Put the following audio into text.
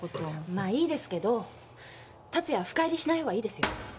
まあいいですけど達也は深入りしないほうがいいですよ。